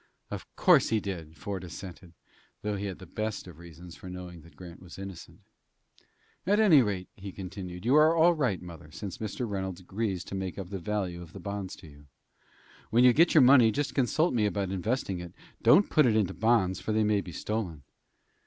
"Of course he did," Ford assented, though he had the best of reasons for knowing that Grant was innocent. "At any rate," he continued, "you are all right, mother, since Mr. Reynolds agrees to make up the value of the bonds to you. When you get your money, just consult me about investing it. Don't put it into bonds, for they may be stolen."